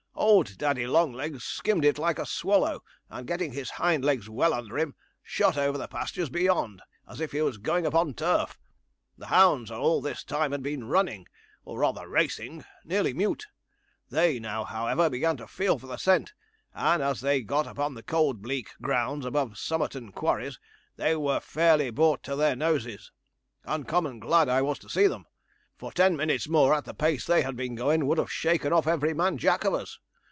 Old Daddy Longlegs skimmed it like a swallow, and, getting his hind legs well under him, shot over the pastures beyond, as if he was going upon turf. The hounds all this time had been running, or rather racing, nearly mute. They now, however, began to feel for the scent; and, as they got upon the cold, bleak grounds above Somerton Quarries, they were fairly brought to their noses. Uncommon glad I was to see them; for ten minutes more, at the pace they had been going, would have shaken off every man Jack of us.